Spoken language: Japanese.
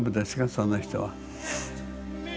その人は。